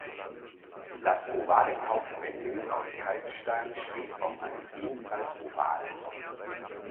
Das ovale Taufbecken aus Kalkstein steht auf einem ebenfalls ovalen Sockel.